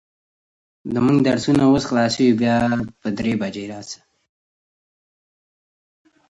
که د مادی ژبې خنډونه له منځه ولاړ سي، نو تیزي سوې به وي.